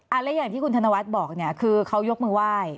แล้วอย่างที่คุณธนวัฒน์บอกเนี่ยคือเขายกมือไหว้